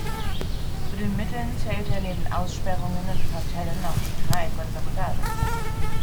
Zu den Mitteln zählt er neben Aussperrungen und Kartellen auch Streik und Sabotage.